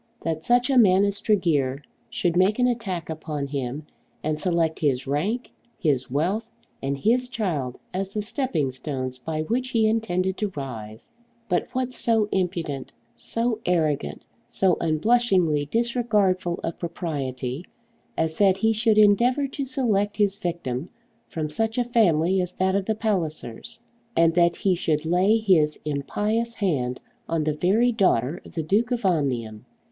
That such a man as Tregear should make an attack upon him and select his rank, his wealth, and his child as the stepping stones by which he intended to rise! What could be so mean as that a man should seek to live by looking out for a wife with money? But what so impudent, so arrogant, so unblushingly disregardful of propriety, as that he should endeavour to select his victim from such a family as that of the Pallisers, and that he should lay his impious hand on the very daughter of the Duke of Omnium?